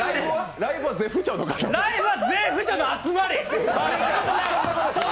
ライブは絶不調の集まり。